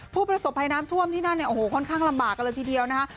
ผู้ประสบภัยน้ำท่วมที่นั่นเนี่ยโอ้โหค่อนข้างลำบากกันเลยทีเดียวนะฮะ